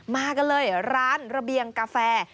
มากันเลยร้านระเบียงกาแฟ